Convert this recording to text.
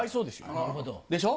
なるほど。でしょ？